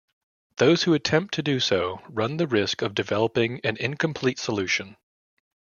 Those who attempt to do so run the risk of developing an incomplete solution.